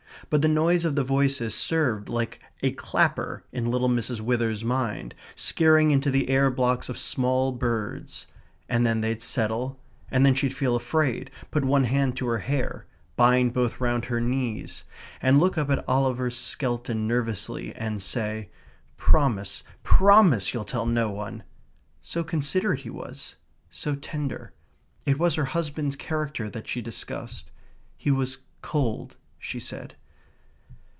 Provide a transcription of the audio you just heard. But the noise of the voices served like a clapper in little Mrs. Withers's mind, scaring into the air blocks of small birds, and then they'd settle, and then she'd feel afraid, put one hand to her hair, bind both round her knees, and look up at Oliver Skelton nervously, and say: "Promise, PROMISE, you'll tell no one." ... so considerate he was, so tender. It was her husband's character that she discussed. He was cold, she said.